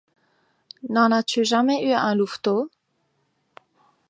N'en as-tu jamais eu un louveteau?